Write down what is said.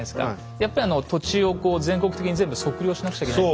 やっぱり土地をこう全国的に全部測量しなくちゃいけない。